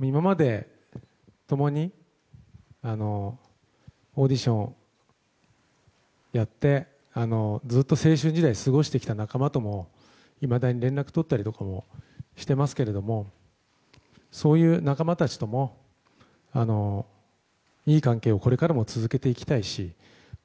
今まで共にオーディションをやってずっと青春時代を過ごしてきた仲間ともいまだに連絡を取ったりとかもしていますがそういう仲間たちともいい関係をこれからも続けていきたいし。